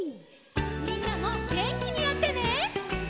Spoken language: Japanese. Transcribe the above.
みんなもげんきにやってね！